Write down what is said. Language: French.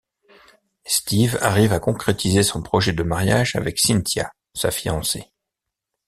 Steve arrive à concrétiser son projet de mariage avec Cynthia, sa fiancée.